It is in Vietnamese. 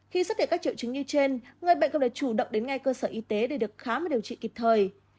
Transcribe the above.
khi xuất hiện các triệu chứng như trên người bệnh cần được chủ động đến ngay cơ sở y tế để được khám và điều trị kịp thời